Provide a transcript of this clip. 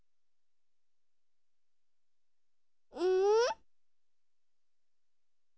うん？